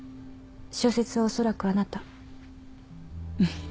小説はおそらくあなた。